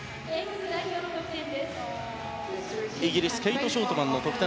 イギリスケイト・ショートマンの得点。